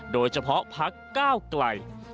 โดยเฉพาะพักก้าวไกล